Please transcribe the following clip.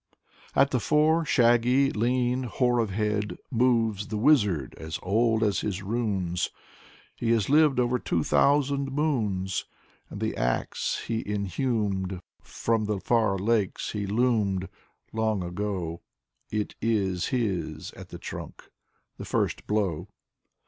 At the fore, shaggy, lean, hoar of head, Moves the wizard, as old as his runes; He has lived over two thousand moons. And the ax he inhumed. From the far lakes he loomed Long ago. It is his: at the trunk The first blow.